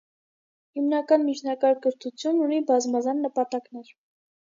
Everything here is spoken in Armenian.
Հիմնական միջնակարգ կրթությունն ունի բազմազան նպատակներ։